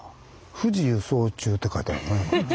「藤輸送中」って書いてあるのね。